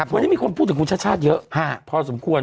วันนี้มีคนพูดถึงคุณชาติชาติเยอะพอสมควร